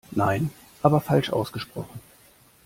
Nein, aber falsch ausgesprochen.